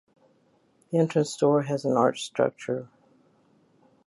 The entrance door has an arched structure.